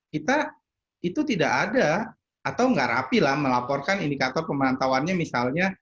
kita itu tidak ada atau nggak rapi lah melaporkan indikator pemantauannya misalnya